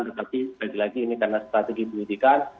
tetapi lagi lagi ini karena strategi pendidikan